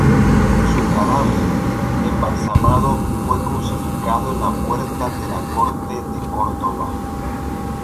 Su cadáver embalsamado fue crucificado en la Puerta de la Corte de Córdoba.